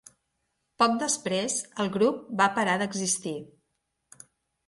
Poc després el grup va parar d'existir.